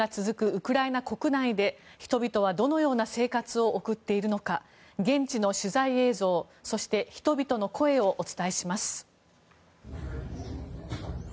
ウクライナ国内で人々はどのような生活を送っているのか現地の取材映像そして人々の声をお伝えします。